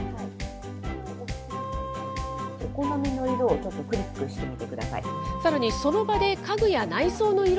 お好みの色をちょっとクリックしてみてください。